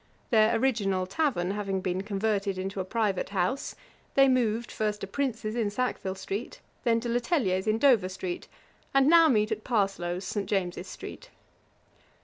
Their original tavern having been converted into a private house, they moved first to Prince's in Sackville street, then to Le Telier's in Dover street, and now meet at Parsloe's, St. James's street .